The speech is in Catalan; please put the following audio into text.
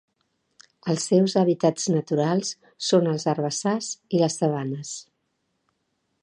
Els seus hàbitats naturals són els herbassars i les sabanes.